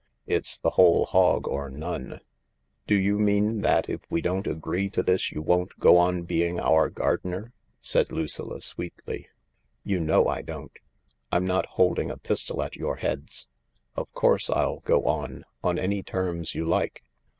It's the whole hog or none." " Do you mean that if we don't agree to this you won't go on being our gardener ?" said Lucilla sweetly. " You know I don't. I'm not holding a pistol at your heads. Of course I'll go on, on any terms you like.